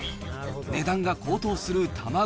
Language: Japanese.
値段が高騰する卵。